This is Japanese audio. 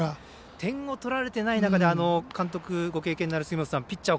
点を取られていない中で監督ご経験のある杉本さん